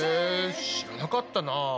知らなかったな。